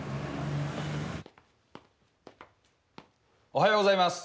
おはようございます。